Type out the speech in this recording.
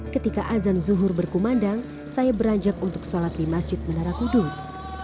ketika azan zuhur berkumandang saya beranjak untuk sholat di masjid menara kudus